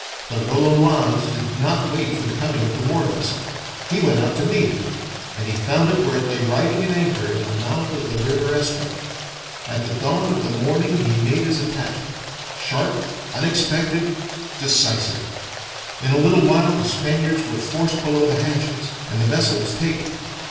But l'Olonoise did not wait for the coming of the war vessel; he went out to meet it, and he found it where it lay riding at anchor in the mouth of the river Estra. At the dawn of the morning he made his attack sharp, unexpected, decisive. In a little while the Spaniards were forced below the hatches, and the vessel was taken.